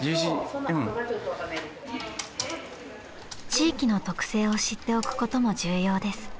［地域の特性を知っておくことも重要です］